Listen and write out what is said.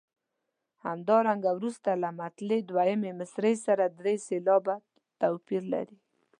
همدارنګه وروسته له مطلع دویمې مصرع سره درې سېلابه توپیر لري.